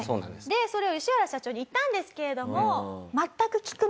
でそれをヨシワラ社長に言ったんですけれども。